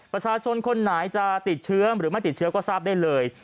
ประชาชนคนไหนจะติดเชื้อหรือไม่ติดเชื้อก็ทราบได้เลย